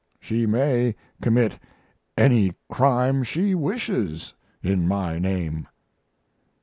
She may commit any crime she wishes in my name."